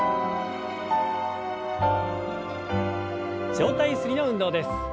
上体ゆすりの運動です。